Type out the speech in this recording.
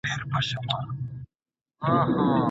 علمي تحقیق بې اسنادو نه ثبت کیږي.